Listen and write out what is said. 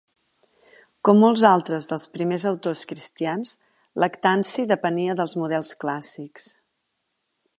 Com molts altres dels primers autors cristians, Lactanci depenia dels models clàssics.